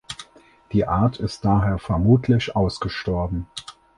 Die Art ist daher vermutlich ausgestorben.